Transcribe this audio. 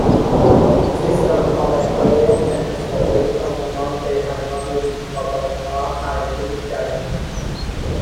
سیستمعاملهای انحصاری عموماً به همراه این حبابها عرضه میشوند